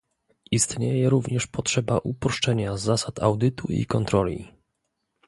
Istnieje również potrzeba uproszczenia zasad audytu i kontroli